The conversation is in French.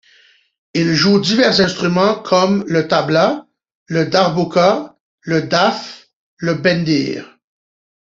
Il joue divers instruments comme le tablâ, le darbouka, le daf, le bendir.